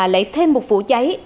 lấy thêm một vụ cháy